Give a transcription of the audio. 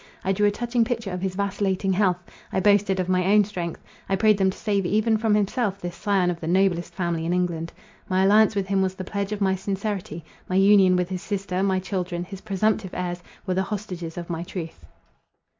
I drew a touching picture of his vacillating health; I boasted of my own strength. I prayed them to save even from himself this scion of the noblest family in England. My alliance with him was the pledge of my sincerity, my union with his sister, my children, his presumptive heirs, were the hostages of my truth.